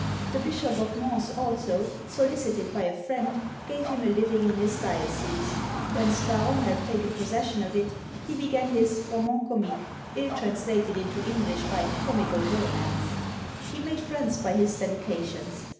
The Bishop of Mans also, solicited by a friend, gave him a living in his diocese. When Scarron had taken possession of it, he began his Roman Comique, ill translated into English by Comical Romance. He made friends by his dedications.